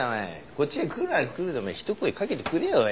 こっちへ来るなら来るでお前ひと声かけてくれよおい。